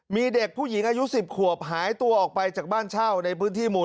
มีเด็กผู้หญิงอายุ๑๐ขวบหายตัวออกไปจากบ้านเช่าในพื้นที่หมู่๑